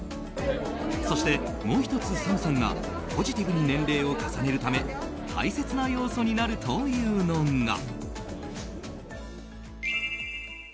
そしてもう１つ、ＳＡＭさんがポジティブに年齢を重ねるため大切な要素になるというのが。